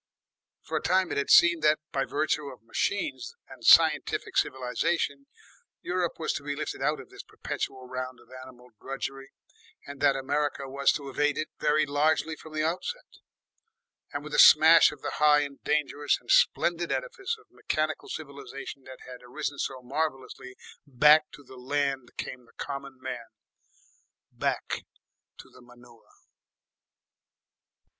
For a time it had seemed that, by virtue of machines, and scientific civilisation, Europe was to be lifted out of this perpetual round of animal drudgery, and that America was to evade it very largely from the outset. And with the smash of the high and dangerous and splendid edifice of mechanical civilisation that had arisen so marvellously, back to the land came the common man, back to the manure.